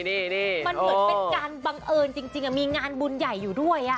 มันเหมือนเป็นการบังเอิญจริงมีงานบุญใหญ่อยู่ด้วย